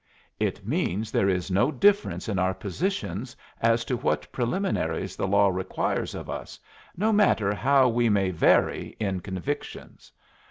"It means there is no difference in our positions as to what preliminaries the law requires of us, no matter how we may vary in convictions.